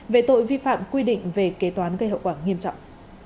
về tội vi phạm quy định về kế toán gây hậu quả nghiêm trọng